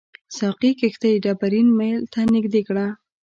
ساقي کښتۍ ډبرین میل ته نږدې کړه.